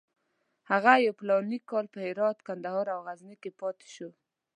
هغه یو فلاني کال په هرات، کندهار او غزني کې پاتې شو.